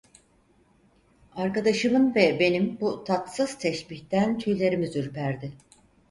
Arkadaşımın ve benim bu tatsız teşbihten tüylerimiz ürperdi.